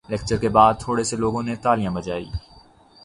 lecture کے بات تھورے سے لوگوں نے تالیاں بجائی